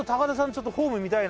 ちょっとフォーム見たいな。